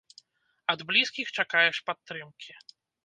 Ад блізкіх чакаеш падтрымкі.